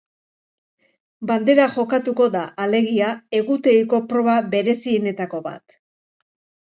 Bandera jokatuko da, alegia, egutegiko proba berezienetako bat.